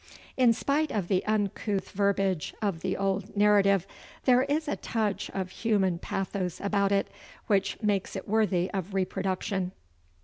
In spite of the uncouth verbiage of the old narrative, there is a touch of human pathos about it which makes it worthy of reproduction.